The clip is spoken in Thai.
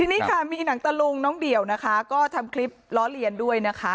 ทีนี้ค่ะมีหนังตะลุงน้องเดี่ยวนะคะก็ทำคลิปล้อเลียนด้วยนะคะ